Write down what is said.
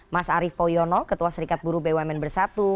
mas arief poyono ketua serikat buru bumn bersatu